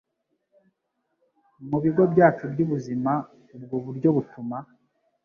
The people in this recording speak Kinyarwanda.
mu bigo byacu by’ubuzima. Ubwo buryo butuma